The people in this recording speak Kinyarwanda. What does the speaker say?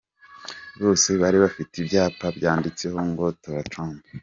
Bose bari bafite ibyapa byanditseho ngo “ Tora Trump”.